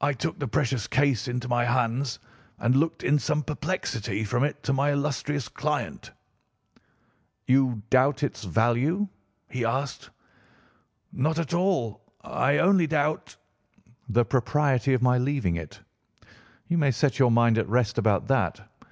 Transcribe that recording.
"I took the precious case into my hands and looked in some perplexity from it to my illustrious client. "'You doubt its value?' he asked. "'Not at all. I only doubt—' "'The propriety of my leaving it. You may set your mind at rest about that.